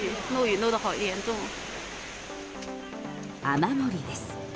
雨漏りです。